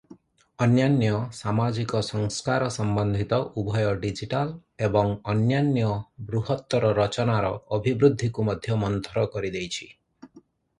ଅନ୍ୟାନ୍ୟ ସାମାଜିକ ସଂସ୍କାର ସମ୍ବନ୍ଧିତ ଉଭୟ ଡିଜିଟାଲ ଏବଂ ଅନ୍ୟାନ୍ୟ ବୃହତ୍ତର ରଚନାର ଅଭିବୃଦ୍ଧିକୁ ମଧ୍ୟ ମନ୍ଥର କରିଦେଇଛି ।